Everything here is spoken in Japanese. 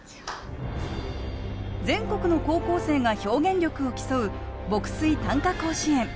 全国の高校生が表現力を競う牧水・短歌甲子園。